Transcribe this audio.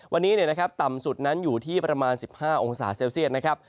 วันนี้ต่ำสุดนั้นอยู่ที่ประมาณ๑๕องศาเซลเซียตนะครับ